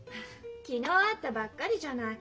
昨日会ったばっかりじゃない。